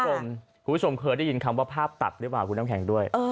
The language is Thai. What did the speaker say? คุณผู้ชมเคยได้ยินคำว่าภาพตัดหรือเปล่าคุณน้ำแข็งด้วย